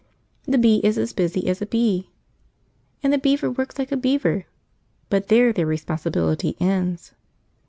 The bee is as busy as a bee, and the beaver works like a beaver, but there their responsibility ends.